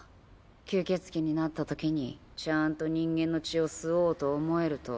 吸血鬼になったときにちゃんと人間の血を吸おうと思えると。